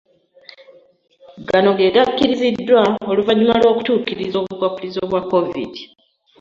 Gano gakkiriziddwa oluvannyuma lw'okutuukiriza obukwakkulizo bwa Covid